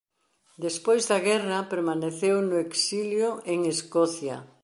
Despois da guerra permaneceu no exilio en Escocia.